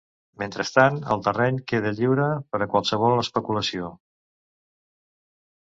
Mentrestant, el terreny queda lliure per a qualsevol especulació.